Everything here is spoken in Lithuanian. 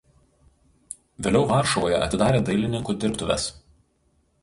Vėliau Varšuvoje atidarė dailininkų dirbtuves.